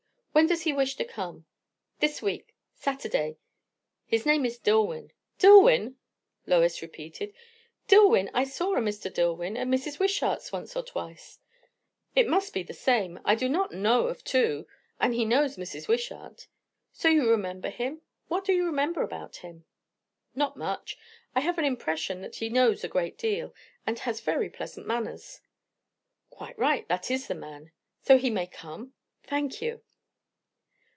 When does he wish to come?" "This week Saturday. His name is Dillwyn." "Dillwyn!" Lois repeated. "Dillwyn? I saw a Mr. Dillwyn at Mrs. Wishart's once or twice." "It must be the same. I do not know of two. And he knows Mrs. Wishart. So you remember him? What do you remember about him?" "Not much. I have an impression that he knows a great deal, and has very pleasant manners." "Quite right. That is the man. So he may come? Thank you."